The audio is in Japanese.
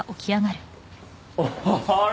あれ？